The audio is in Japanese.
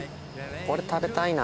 これ食べたいな。